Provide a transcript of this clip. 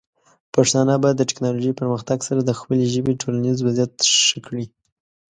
پښتانه به د ټیکنالوجۍ پرمختګ سره د خپلې ژبې ټولنیز وضعیت ښه کړي.